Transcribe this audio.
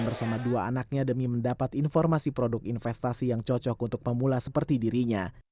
ketika dia sudah menerima informasi terkait investasi dia mengambil informasi tentang produk yang cocok untuk pemula seperti dirinya